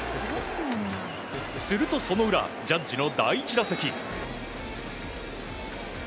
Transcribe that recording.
するとその裏ジャッジの第１打席。